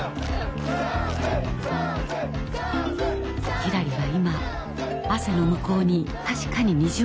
ひらりは今汗の向こうに確かに虹を見ていました。